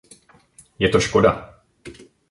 Je to škoda.